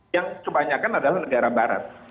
yang kebanyakan adalah negara barat